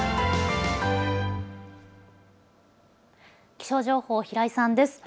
気象情報、平井さんです。